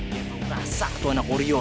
ya tau berhasil tuh anak warior